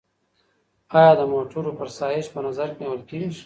ایا د موټرو فرسایش په نظر کي نیول کیږي؟